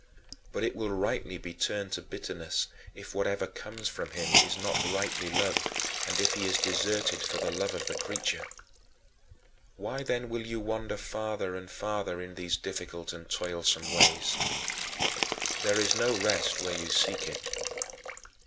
But it will rightly be turned to bitterness if whatever comes from him is not rightly loved and if he is deserted for the love of the creature. Why then will you wander farther and farther in these difficult and toilsome ways? There is no rest where you seek it.